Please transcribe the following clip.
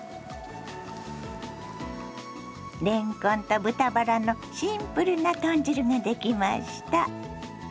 れんこんと豚バラのシンプルな豚汁ができました。